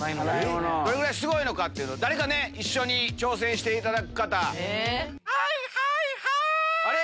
どれぐらいすごいのかっていうのを誰かね一緒に挑戦していただく方。